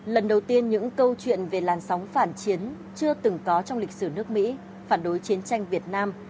lần đầu tiên những câu chuyện về làn sóng phản chiến chưa từng có trong lịch sử nước mỹ phản đối chiến tranh việt nam